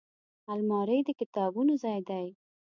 الماري د کتابونو ځای دی